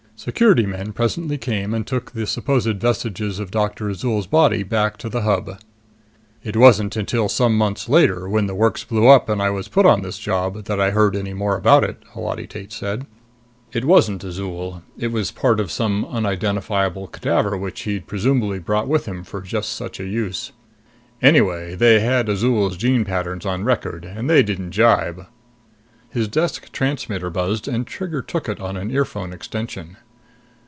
Security men presently came and took the supposed vestiges of Doctor Azol's body back to the Hub. "It wasn't until some months later, when the works blew up and I was put on this job, that I heard any more about it," Holati Tate said. "It wasn't Azol. It was part of some unidentifiable cadaver which he'd presumably brought with him for just such a use. Anyway, they had Azol's gene patterns on record, and they didn't jibe." His desk transmitter buzzed and Trigger took it on an earphone extension.